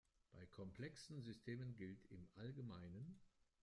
Bei komplexen Systemen gilt im Allg.